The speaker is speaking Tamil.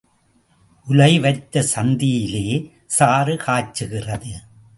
உலை வைத்த சந்தியிலே சாறு காய்ச்சுகிறது.